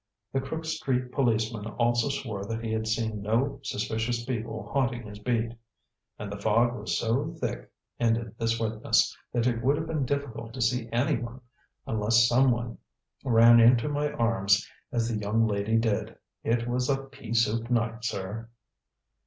The Crook Street policeman also swore that he had seen no suspicious people haunting his beat. "And the fog was so thick," ended this witness, "that it would have been difficult to see anyone, unless someone ran into my arms as the young lady did. It was a pea soup night, sir."